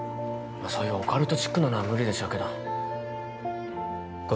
まあそういうオカルトチックなのは無理でしょうけど後